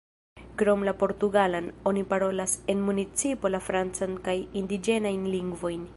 Krom la portugalan, oni parolas en municipo la francan kaj indiĝenajn lingvojn.